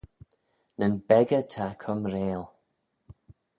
Nyn beccah ta cumrail.